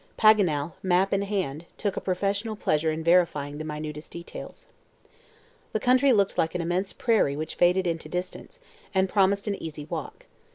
Paganel, map in hand, took a professional pleasure in verifying the minutest details. The country looked like an immense prairie which faded into distance, and promised an easy walk.